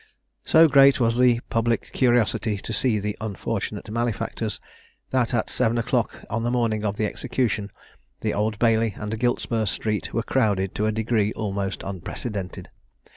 So great was the public curiosity to see the unfortunate malefactors, that at seven o'clock on the morning of the execution, the Old Bailey and Giltspur Street were crowded to a degree almost unprecedented.